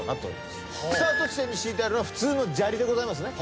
スタート地点に敷いてあるのは普通の砂利でございますね。